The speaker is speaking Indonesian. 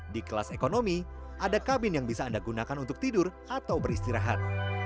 di kelas ekonomi ada kabin yang bisa anda gunakan untuk tidur atau beristirahat